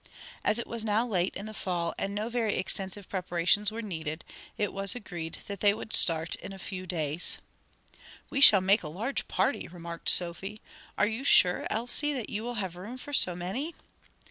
As it was now late in the fall and no very extensive preparations were needed, it was agreed that they would start in a few days. "We shall make a large party," remarked Sophie, "Are you sure, Elsie, that you will have room for so many?"